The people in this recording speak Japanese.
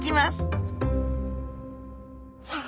さあ